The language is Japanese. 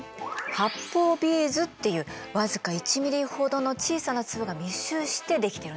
発泡ビーズっていう僅か１ｍｍほどの小さな粒が密集して出来てるの。